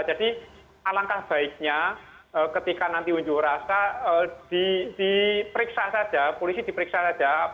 jadi alangkah baiknya ketika nanti unjuk rasa diperiksa saja polisi diperiksa saja